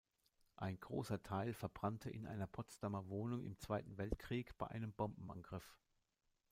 Ein großer Teil verbrannte in einer Potsdamer Wohnung im Zweiten Weltkrieg bei einem Bombenangriff.